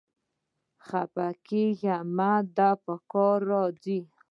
خپه کېږه مه، دا پکې راځي